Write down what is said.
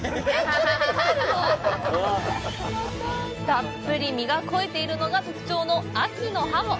たっぷり身が肥えているのが特徴の秋のハモ。